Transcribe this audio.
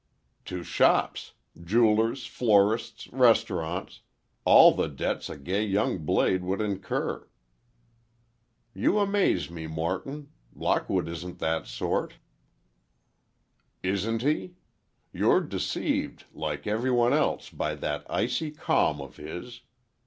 "To shops—jewelers, florists, restaurants. All the debts a gay young blade would incur." "You amaze me, Morton. Lockwood isn't that sort." "Isn't he? You're deceived, like every one else, by that icy calm of his.